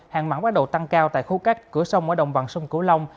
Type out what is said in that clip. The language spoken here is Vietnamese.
hàng mặn bắt đầu tăng cao tại khu cách cửa sông ở đồng bằng sông cửu long